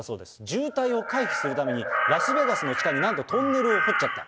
渋滞を回避するために、ラスベガスの地下になんとトンネルを掘っちゃった。